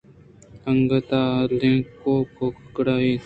انگتءَ لنکُک ءَ گِڑ یت